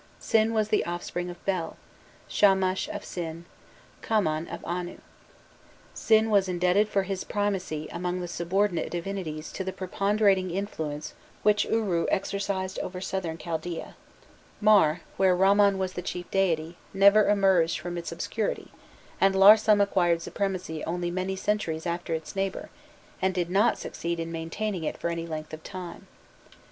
Sin was the offspring of Bel, Shamash of Sin, Kamman of Anu. Sin was indebted for this primacy among the subordinate divinities to the preponderating influence which Uru exercised over Southern Chaldaea. Mar, where Ramman was the chief deity, never emerged from its obscurity, and Larsam acquired supremacy only many centuries after its neighbour, and did not succeed in maintaining it for any length of time.